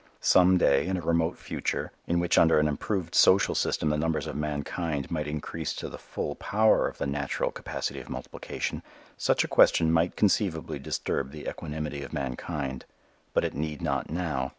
Some day, in a remote future, in which under an improved social system the numbers of mankind might increase to the full power of the natural capacity of multiplication, such a question might conceivably disturb the equanimity of mankind. But it need not now.